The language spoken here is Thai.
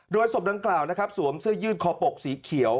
โดยศพดังกล่าวนะครับสวมเสื้อยืดคอปกสีเขียว